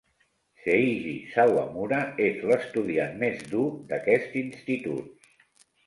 Seiji Sawamura és l'estudiant més dur d'aquest institut.